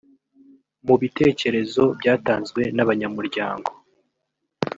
Mu bitekerezo byatanzwe n’abanyamuryango